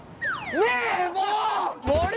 ねえもう！